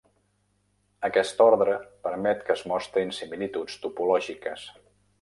Aquest ordre permet que es mostrin similituds topològiques.